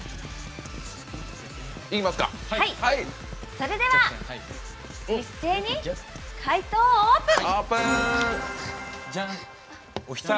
それでは一斉に回答オープン！